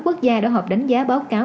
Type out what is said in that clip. quốc gia đã họp đánh giá báo cáo